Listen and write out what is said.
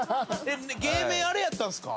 芸名あれやったんすか？